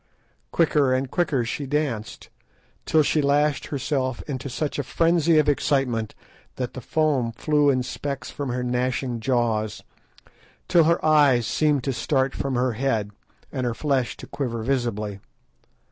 Quicker and quicker she danced, till she lashed herself into such a frenzy of excitement that the foam flew in specks from her gnashing jaws, till her eyes seemed to start from her head, and her flesh to quiver visibly.